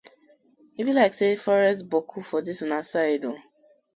E bi layk say forest boku for dis una side oo?